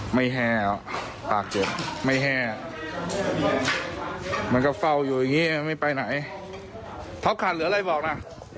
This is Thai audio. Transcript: แห้แล้วปากเจ็บไม่แห้มันก็เฝ้าอยู่อย่างนี้ไม่ไปไหนเขาขาดเหลืออะไรบอกนะ